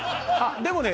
でもね